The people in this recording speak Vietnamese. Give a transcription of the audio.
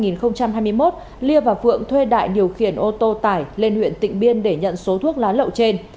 năm hai nghìn hai mươi một ly và phượng thuê đại điều khiển ô tô tải lên huyện tịnh biên để nhận số thuốc lá lậu trên